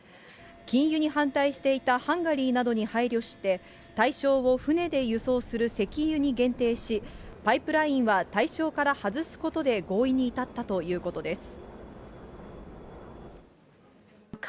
禁輸に反対していたハンガリーなどに配慮して、対象を船で輸送する石油に限定し、パイプラインは対象から外すことで合意に至ったということです。